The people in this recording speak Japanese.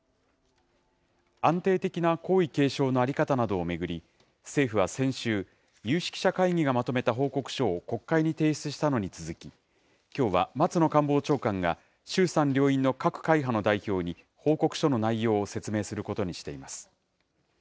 安定的な皇位継承の在り方などを巡り、政府は先週、有識者会議がまとめた報告書を国会に提出したのに続き、きょうは松野官房長官が衆参両院の各会派の代表に、報告書の内容を説明することにしています。